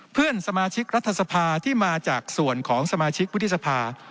เพื่อนสมาชิกรัฐสภาที่มาจากส่วนของสมาชิกวุฒิสภา